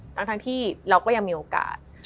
ทั้งที่เราก็ยังมีโอกาส